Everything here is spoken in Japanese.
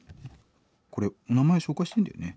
これお名前紹介していいんだよね？